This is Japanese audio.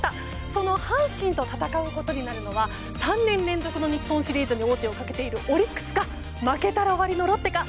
その阪神と戦うことになるのは３年連続の日本シリーズに王手をかけているオリックスか負けたら終わりのロッテか。